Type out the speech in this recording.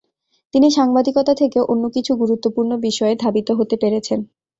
তিনি সাংবাদিকতা থেকে অন্যকিছু গুরুত্বপূর্ণ বিষয়ে ধাবিত হতে পেরেছেন।